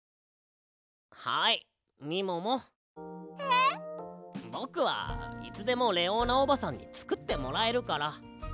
えっ？ぼくはいつでもレオーナおばさんにつくってもらえるから。